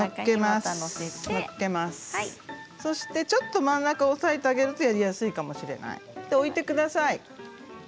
ちょっと真ん中を押さえてあげるとやりやすいかもしれない。